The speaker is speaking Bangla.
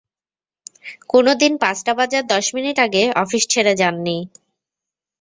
কোনো দিন পাঁচটা বাজার দশ মিনিট আগে অফিস ছেড়ে যান নি।